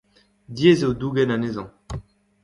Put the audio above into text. Diaes eo dougen anezhañ.